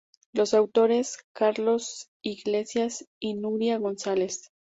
Los actores: Carlos Iglesias y Nuria González.